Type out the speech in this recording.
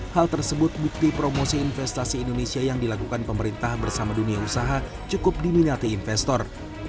hal tersebut bukti promosi investasi indonesia yang dilakukan pemerintah bersama dunia usaha cukup diminati investor